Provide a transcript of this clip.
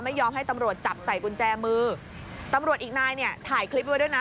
ไม่ยอมให้ตำรวจจับใส่กุญแจมือตำรวจอีกนายเนี่ยถ่ายคลิปไว้ด้วยนะ